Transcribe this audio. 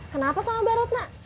kenapa sama mbak ratna